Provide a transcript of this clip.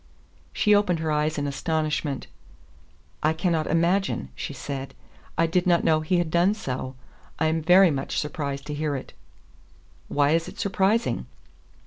She opened her eyes in astonishment. "I cannot imagine," she said. "I did not know he had done so. I am very much surprised to hear it." "Why is it surprising?"